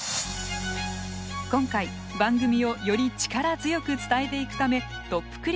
今回番組をより力強く伝えていくためトップ